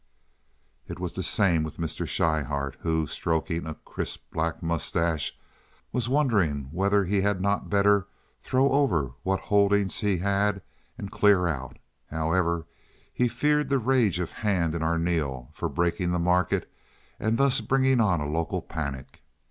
It was the same with Mr. Schryhart, who, stroking a crisp, black mustache, was wondering whether he had not better throw over what holdings he had and clear out; however, he feared the rage of Hand and Arneel for breaking the market and thus bringing on a local panic.